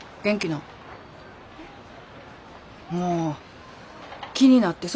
元気なん？